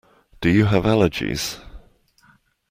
Do you have allergies?